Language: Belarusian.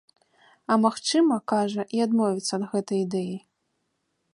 А магчыма, кажа, і адмовіцца ад гэтай ідэі.